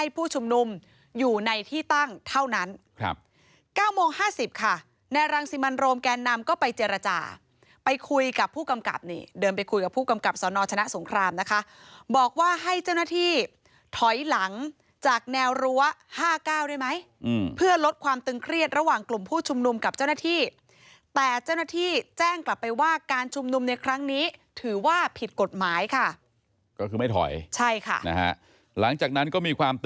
ผู้ชุมนุมอยู่ในที่ตั้งเท่านั้นครับ๙โมง๕๐ค่ะในรังสิมันโรมแกนนำก็ไปเจรจาไปคุยกับผู้กำกับนี่เดินไปคุยกับผู้กำกับสนชนะสงครามนะคะบอกว่าให้เจ้าหน้าที่ถอยหลังจากแนวรั้ว๕๙ได้ไหมเพื่อลดความตึงเครียดระหว่างกลุ่มผู้ชุมนุมกับเจ้าหน้าที่แต่เจ้าหน้าที่แจ้งกลับไปว่าการชุมนุมในครั้งนี้ถือว่าผิดกฎหมายค่ะก็คือไม่ถอยใช่ค่ะนะฮะหลังจากนั้นก็มีความ